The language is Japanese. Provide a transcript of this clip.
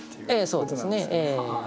そうですね。